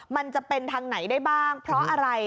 มันจะเป็นทางไหนได้บ้างเพราะอะไร